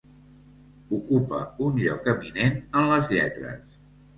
Ocupa un lloc eminent en les lletres.